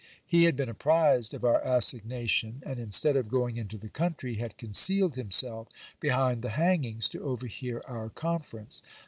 He had been apprized of our assignation ; and instead of going into the country, had concealed himself behind the hangings, to overhear our conference.